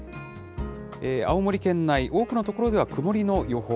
青森県内、多くの所では曇りの予報。